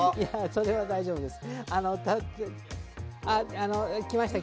それは大丈夫です。